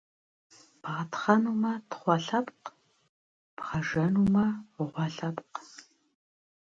Бгъэтхъуэнумэ, тхъуэ лъэпкъ, бгъэжэнумэ, гъуэ лъэпкъ.